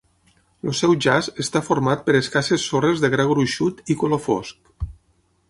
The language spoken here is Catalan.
El seu jaç està format per escasses sorres de gra gruixut i color fosc.